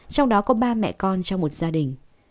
trong đó có ba mẹ con trong một gia đình